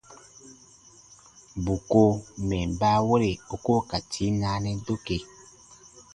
Bù ko mɛ̀ baawere u ko n ka tii naanɛ dokee.